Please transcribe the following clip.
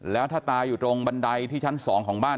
แล้วถ้าตายอยู่ตรงบันไดที่ชั้น๒ของบ้าน